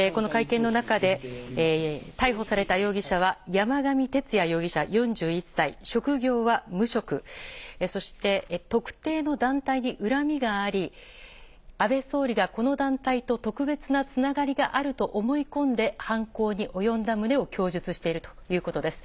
この会見の中で、逮捕された容疑者は山上徹也容疑者４１歳、職業は無職、そして特定の団体に恨みがあり、安倍総理がこの団体と特別なつながりがあると思い込んで犯行に及んだ旨を供述しているということです。